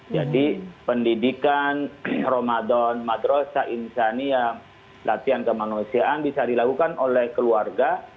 jadi pendidikan ramadan madrasah insya allah latihan kemanusiaan bisa dilakukan oleh keluarga